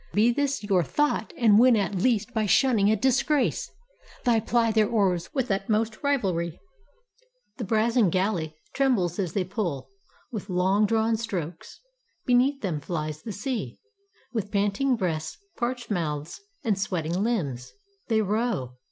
Be this your thought, And win at least by shunning a disgrace!" They ply their oars with utmost rivalry; 238 FUNERAL GAMES IN HONOR OF ANCHISES The brazen galley trembles as they pull With long drawn strokes. Beneath them flies the sea; With panting breasts, parched mouths, and sweating limbs They row.